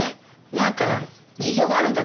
なんか事情があるんだったらさ